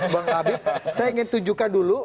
bang habib saya ingin tunjukkan dulu